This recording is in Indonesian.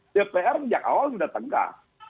dpr sejak awal sudah tegas